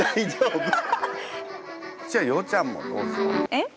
えっ？